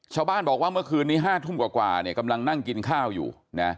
ชาวบ้านบอกว่าเมื่อคืนนี้๕ทุ่มกว่ากำลังนั่งกินข้าวอยู่นะ